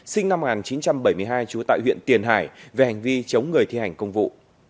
sinh năm một nghìn chín trăm bảy mươi hai trú tại huyện tiền hải về hành vi chống người thi hành công vụ